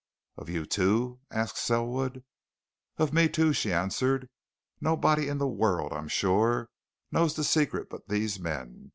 "Of you, too?" asked Selwood. "Of me, too!" she answered. "Nobody in the world, I'm sure, knows the secret but these men.